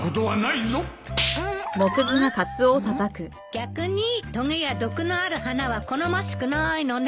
逆にとげや毒のある花は好ましくないのね。